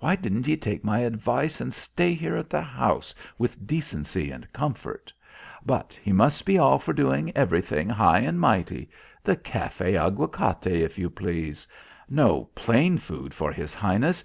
Why didn't ye take my advice and stay here in the house with decency and comfort. But he must be all for doing everything high and mighty. The Café Aguacate, if ye please. No plain food for his highness.